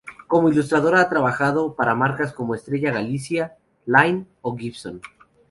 Como ilustradora ha trabajado para marcas como Estrella Galicia, Line, o Gibson.